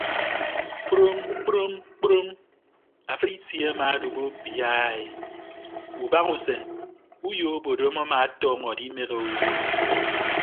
Kprom kprom kprom afịd itie amaado biaii ubahasen uyo obodom ama atọñọ adimehe owo.